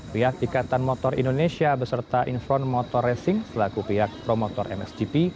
pihak ikatan motor indonesia beserta infront motor racing selaku pihak promotor msgp